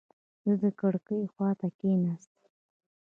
زه د کړکۍ خواته کېناستم.